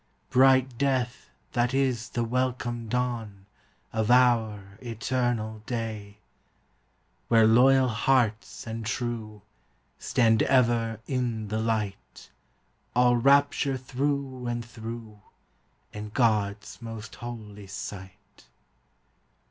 Bright death, that is the welcome dawn Of our eternal day; Where loyal hearts and true Stand ever in the light, All rapture through and through, In God's most holy sight.